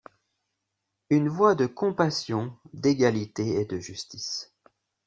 Une voix de compassion, d'égalité et de justice.